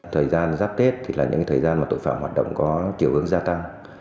thời gian giáp tết thì là những thời gian mà tội phạm hoạt động có chiều hướng gia tăng